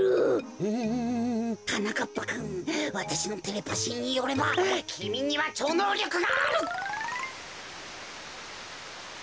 うんはなかっぱくんわたしのテレパシーによればきみにはちょうのうりょくがある！